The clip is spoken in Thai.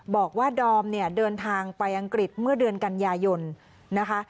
บอกว่าดอมเนี่ยเดินทางไปอังกฤษเมื่อเดือนกันยายนนะคะ